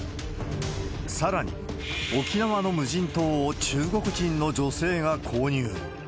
さらに、沖縄の無人島を中国人の女性が購入。